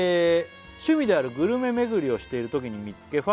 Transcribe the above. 「趣味であるグルメめぐりをしているときに見つけ」